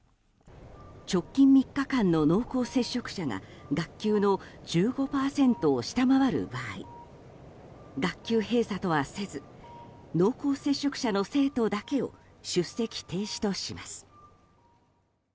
直近３日間の濃厚接触者が学級の１５％を下回る場合学級閉鎖とはせず濃厚接触者の生徒だけを出席停止とします。